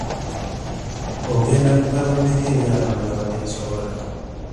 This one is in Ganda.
Ogenda kugaba mmeka eri abantu abateesobola?